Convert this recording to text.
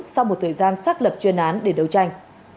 sau một thời gian xác lập chuyên án để đấu tranh